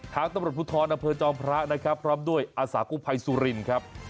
ทางตำรวจภูทรอำเภอจอมพระนะครับพร้อมด้วยอาสากุภัยสุรินครับ